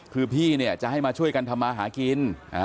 คือพี่เนี่ยจะให้มาช่วยกันทำมาหากิน